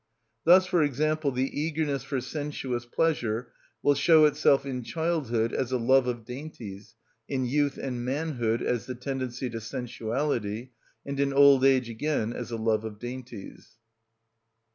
Thus, for example, the eagerness for sensuous pleasure will show itself in childhood as a love of dainties, in youth and manhood as the tendency to sensuality, and in old age again as a love of dainties.